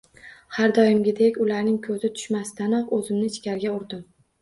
Har doimgidek, ularning ko`zi tushmasidanoq o`zimni ichkariga urdim